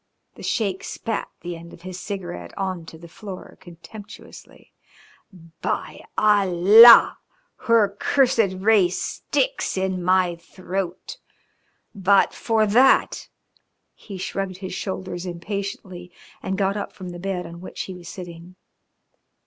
The Sheik spat the end of his cigarette on to the floor contemptuously. "By Allah! Her cursed race sticks in my throat. But for that " He shrugged his shoulders impatiently and got up from the bed on which he was sitting.